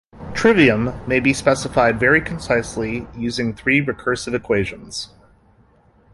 Trivium may be specified very concisely using three recursive equations.